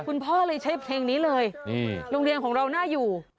คุณพ่อเลยใช้เพลงนี้เลยนี่โรงเรียนของเราน่าอยู่